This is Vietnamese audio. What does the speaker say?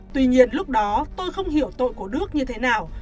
tuy nhiên lúc đó tôi không hiểu tội của đức như thế nào